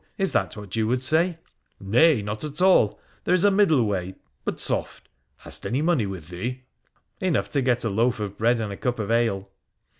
Is that what you would say ?'' Nay, not at all. There is a middle way. But soft ! Hast any money with thee ?'' Enough to get a loaf of bread and a cup of ale.'